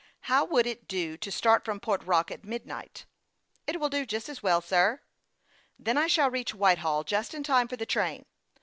How would it do to start from Port Rock at mid night ?"" It will do just as well, sir.'' " Then I shall reach Whitehall just in time for the train.